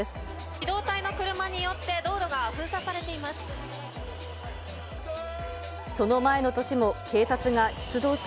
機動隊の車によって、道路が封鎖されています。